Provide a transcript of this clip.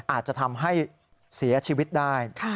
อาจจะทำให้เสียชีวิตได้